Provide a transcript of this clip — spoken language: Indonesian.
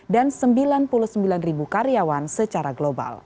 dan sembilan puluh sembilan ribu karyawan secara global